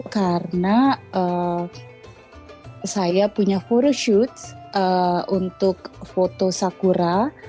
karena saya punya photoshoot untuk foto sakura